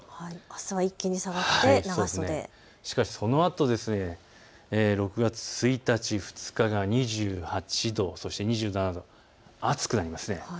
あすは一気に下がって長袖、しかしそのあと、６月１日、２日が２８度、そして２７度、暑くなります。